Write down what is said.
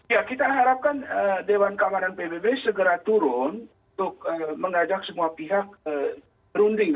ya kita harapkan dewan keamanan pbb segera turun untuk mengajak semua pihak runding